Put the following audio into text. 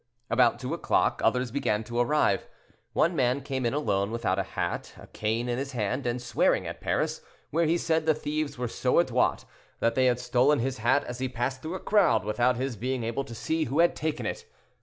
About two o'clock, others began to arrive. One man came in alone, without a hat, a cane in his hand, and swearing at Paris, where he said the thieves were so adroit that they had stolen his hat as he had passed through a crowd, without his being able to see who had taken it.